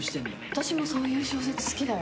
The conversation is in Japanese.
私もそういう小説、好きだよ。